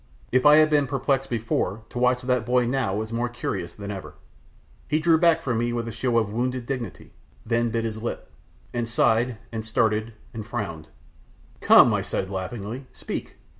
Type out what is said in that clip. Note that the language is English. If I had been perplexed before, to watch that boy now was more curious than ever. He drew back from me with a show of wounded dignity, then bit his lips, and sighed, and stared, and frowned. "Come," I said laughingly, "speak!